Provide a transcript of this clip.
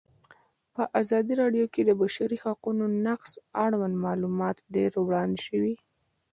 په ازادي راډیو کې د د بشري حقونو نقض اړوند معلومات ډېر وړاندې شوي.